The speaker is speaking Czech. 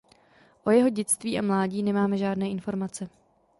O jeho dětství a mládí nemáme žádné informace.